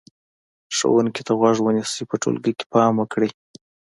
ښوونکي ته غوږ ونیسئ، په ټولګي کې پام وکړئ،